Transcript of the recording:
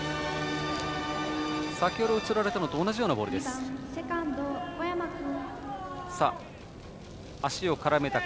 先ほど打ち取られたときと同じようなボールでした。